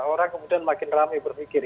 orang kemudian makin rame berpikir